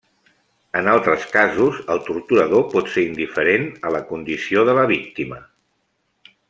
En altres casos, el torturador pot ser indiferent a la condició de la víctima.